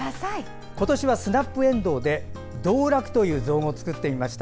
今年はスナップえんどうで導楽という造語を作ってみました。